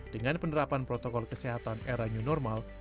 dengan penerapan protokol kesehatan era new normal